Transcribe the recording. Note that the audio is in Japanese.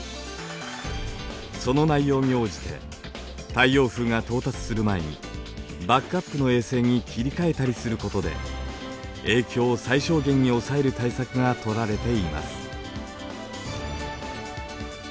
その内容に応じて太陽風が到達する前にバックアップの衛星に切り替えたりすることで影響を最小限に抑える対策がとられています。